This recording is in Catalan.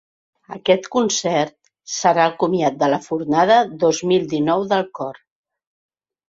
Aquest concert serà el comiat de la fornada dos mil dinou del cor.